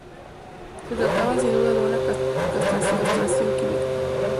Se trataba sin duda de una castración química.